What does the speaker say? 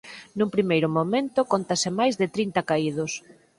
Nun primeiro momento cóntanse máis de trinta caídos.